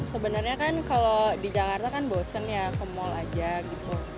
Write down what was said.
sebenarnya kan kalau di jakarta kan bosen ya ke mall aja gitu